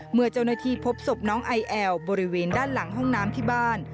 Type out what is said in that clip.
เมื่อเจ้าหน้าที่พบศพน้องไอแอลบริเวณด้านหลังห้องน้ำที่บ้าน